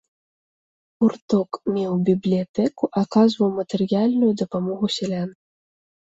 Гурток меў бібліятэку, аказваў матэрыяльную дапамогу сялянам.